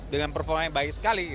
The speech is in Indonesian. dengan performa yang baik sekali